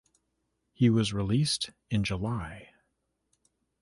He was released in July.